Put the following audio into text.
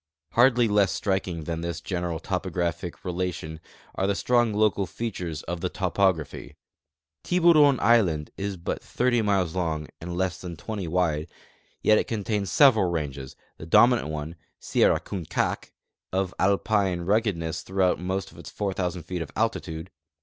Hardly less striking than this general topographic relation are the strong local features of the topography. Tiburon island is but 30 miles long and less than 20 wide, yet it contains several ranges, the dominant one (Sierra Kunkaak) of Alpine ruggedness throughout most of its 4,000 feet of altitude.